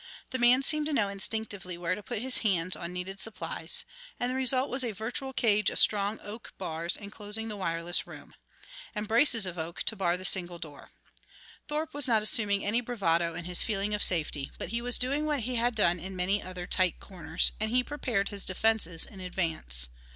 The man seemed to know instinctively where to put his hands on needed supplies, and the result was a virtual cage of strong oak bars enclosing the wireless room, and braces of oak to bar the single door. Thorpe was not assuming any bravado in his feeling of safety, but he was doing what he had done in many other tight corners, and he prepared his defences in advance.